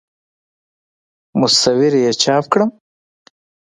مصور یې چاپ کړم.